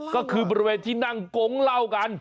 ก็คือบริเวณที่นั่งโก๊งเล่ากัน